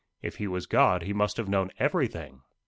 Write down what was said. If he was God, he must have known everything."